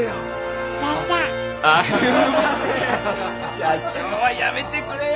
社長はやめてくれよ！